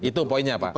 itu poinnya pak